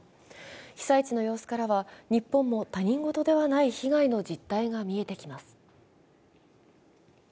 被災地の様子からは、日本も他人事ではない被害の実態が見えてきます。